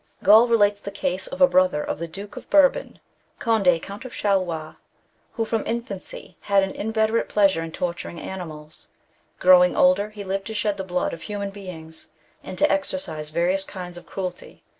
Gall relates the case of a brother of the Duke of Bourbon, Cond6, Count of Charlois, who, from infancy, had an inveterate pleasure in torturing animals : growing older, he lived to shed the blood of human beings, and to exercise various kinds of cruelty.